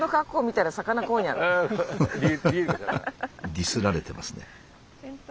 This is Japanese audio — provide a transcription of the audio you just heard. ディスられてますね。